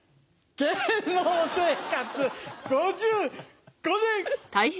芸能生活５５年。